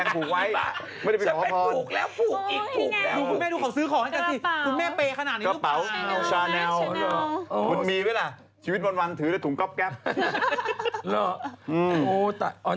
อ๋อคือผิดไปมั้ย